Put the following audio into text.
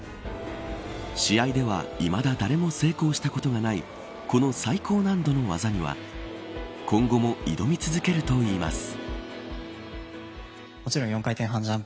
試合では、いまだ誰も成功したことはないこの最高難度の技には今後も挑み続けるといいます。